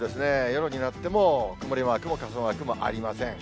夜になっても曇りマークも傘マークもありません。